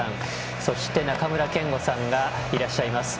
そして中村憲剛さんがいらっしゃいます。